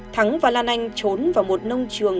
thắng và lan anh trốn vào một nông trường